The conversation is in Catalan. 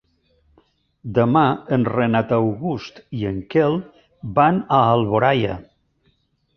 Demà en Renat August i en Quel van a Alboraia.